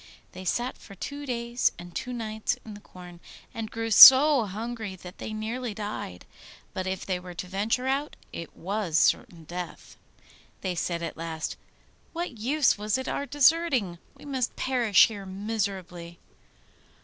They sat for two days and two nights in the corn, and grew so hungry that they nearly died; but if they were to venture out, it was certain death. They said at last, 'What use was it our deserting? We must perish here miserably.